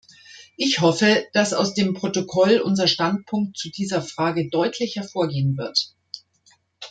Ich hoffe, dass aus dem Protokoll unser Standpunkt zu dieser Frage deutlich hervorgehen wird.